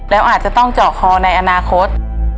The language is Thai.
แล้วอาจจะต้องเจาะคอในอนาคต